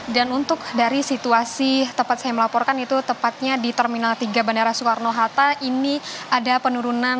dan untuk dari situasi tepat saya melaporkan itu tepatnya di terminal tiga bandara soekarno hatta